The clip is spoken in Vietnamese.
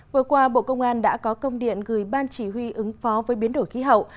vừa qua bộ công an đã có công điện gửi ban chỉ huy ứng phó với biến đổi khí hậu